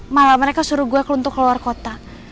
malah mereka suruh gue ke luntur keluar kota